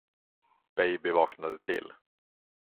Baby vaknade till.